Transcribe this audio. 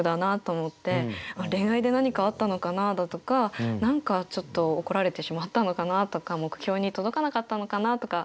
恋愛で何かあったのかなだとか何かちょっと怒られてしまったのかなとか目標に届かなかったのかなとか。